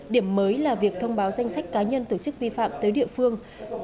điểm mới là việc thông báo danh sách cá nhân tổ chức vi phạm tới địa phương